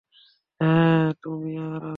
হ্যাঁ, তুমি আর আমি?